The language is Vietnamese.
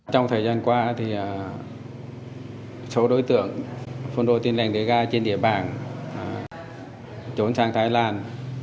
trong thời gian qua số đối tượng phân đối tiên lành đế ga trên địa bàn trốn sang thái lan